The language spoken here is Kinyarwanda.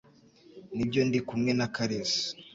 Nibyo, ndi kumwe na Kalisa